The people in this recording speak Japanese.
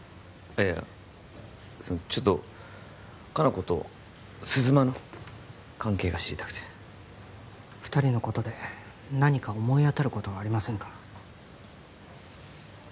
いやそのちょっと香菜子と鈴間の関係が知りたくて二人のことで何か思い当たることはありませんか？